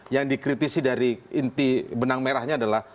yang dikritisi dari inti benang merahnya adalah